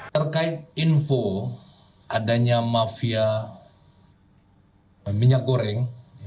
terkait info adanya mafia minyak goreng